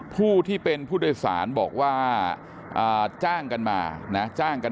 ผู้ที่เป็นผู้โดยสารบอกว่าจ้างกันมานะจ้างกัน